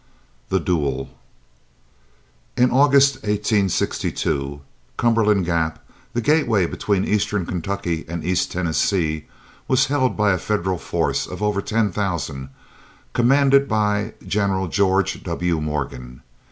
THE DUEL. IN August, 1862, Cumberland Gap, the gateway between Eastern Kentucky and East Tennessee, was held by a Federal force of over ten thousand, commanded by General George W. Morgan.